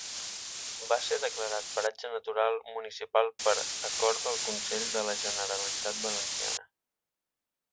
Va ser declarat Paratge Natural Municipal per Acord del Consell de la Generalitat Valenciana.